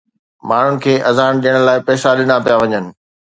ماڻهن کي اذان ڏيڻ لاءِ پئسا ڏنا پيا وڃن.